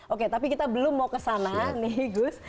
oke tapi kita belum mau kesana nih gus